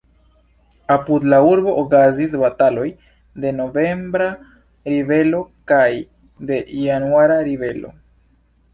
Apud la urbo okazis bataloj de novembra ribelo kaj de januara ribelo.